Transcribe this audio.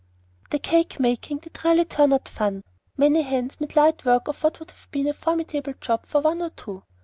The cake making did really turn out fun. Many hands made light work of what would have been a formidable job for one or two.